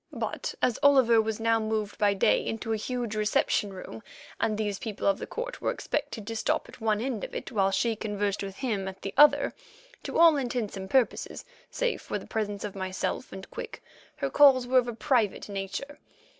But as Oliver was now moved by day into a huge reception room, and these people of the court were expected to stop at one end of it while she conversed with him at the other, to all intents and purposes, save for the presence of myself and Quick, her calls were of a private nature.